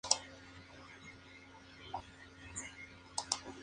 Según algunos autores, Licomedes empujó a Teseo desde la cima de un precipicio.